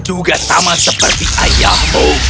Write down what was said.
juga sama seperti ayahmu